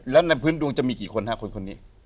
แล้วในพื้นดวงจะมีกี่คนฮะคนนี้